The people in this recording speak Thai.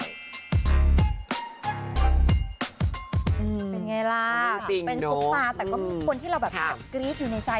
เป็นอย่างไรละเป็นทุกภาพแต่ก็มีคนที่อะไรแบบครีชอยู่ในใจ